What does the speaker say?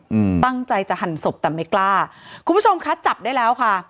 อืมตั้งใจจะหั่นศพแต่ไม่กล้าคุณผู้ชมคะจับได้แล้วค่ะ